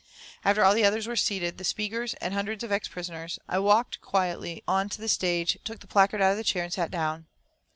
After all the others were seated, the speakers, and hundreds of ex prisoners. I walked quietly onto the stage, took the placard out of the chair and sat down.